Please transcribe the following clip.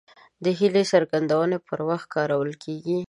د هیلې څرګندونې پر وخت کارول کیږي.